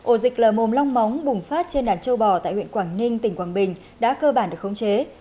ổ dịch lở mồm long móng bùng phát trên đàn châu bò tại huyện quảng ninh tỉnh quảng bình đã cơ bản được khống chế